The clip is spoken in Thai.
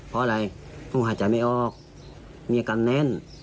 เพราะอะไรผมหายใจไม่ออกมีอาการแน่น